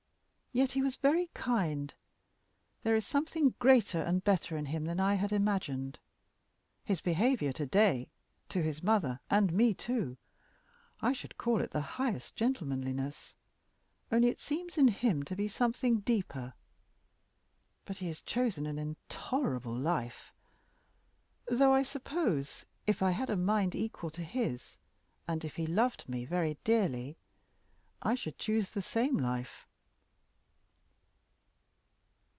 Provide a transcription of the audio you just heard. Yet he was very kind. There is something greater and better in him than I had imagined. His behavior to day to his mother and me too I should call it the highest gentlemanliness, only it seems in him to be something deeper. But he has chosen an intolerable life; though I suppose, if I had a mind equal to his, and if he loved me very dearly, I should choose the same life."